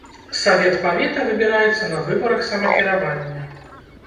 Савет павета выбіраецца на выбарах самакіравання.